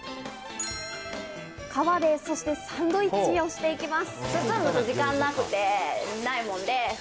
皮でサンドイッチをしていきます。